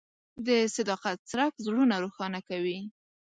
د صداقت څرک زړونه روښانه کوي.